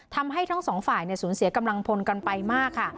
ทำให้ทั้งสองฝ่ายเนี่ยสูญเสียกำลังพลกันไปมากค่ะ